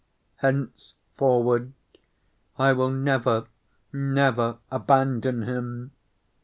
Henceforward I will never, never abandon him!"